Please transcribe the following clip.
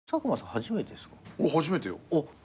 初めてよ。